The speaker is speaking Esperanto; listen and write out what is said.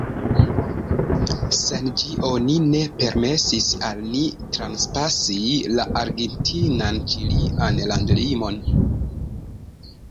Sen ĝi oni ne permesis al ni transpasi la argentinan-ĉilian landlimon.